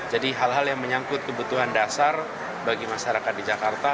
jadi hal hal yang menyangkut kebutuhan dasar bagi masyarakat di jakarta